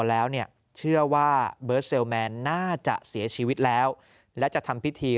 แล้วเนี่ยเชื่อว่าเบิร์ตเซลแมนน่าจะเสียชีวิตแล้วและจะทำพิธี